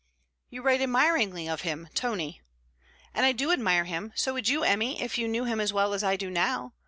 'You write admiringly of him, Tony.' 'And I do admire him. So would you, Emmy, if you knew him as well as I do now.